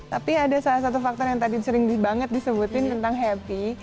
tapi ada salah satu faktor yang tadi sering banget disebutin tentang happy